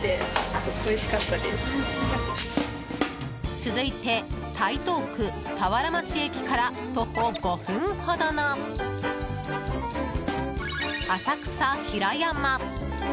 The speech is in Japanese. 続いて、台東区田原町駅から徒歩５分ほどの浅草ひら山。